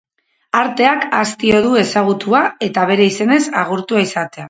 Arteak hastio du ezagutua eta bere izenez agurtua izatea.